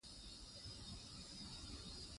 هغه ته ویل کیږي چې خزانه د اهرامونو ترڅنګ ده.